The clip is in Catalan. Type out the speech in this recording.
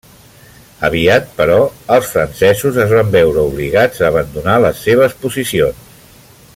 Aviat, però, els francesos es van veure obligats a abandonar les seves posicions.